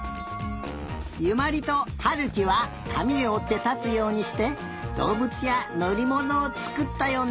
由茉莉と悠貴はかみをおってたつようにしてどうぶつやのりものをつくったよね。